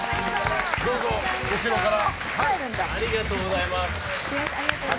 どうぞ、後ろから。